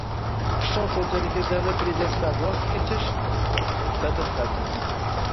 Qishloq xo‘jaligida davlat rejasidan voz kechish — dadil qadam